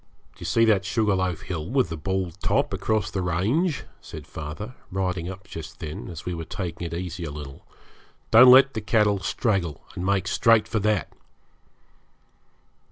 'Do you see that sugar loaf hill with the bald top, across the range?' said father, riding up just then, as we were taking it easy a little. 'Don't let the cattle straggle, and make straight for that.'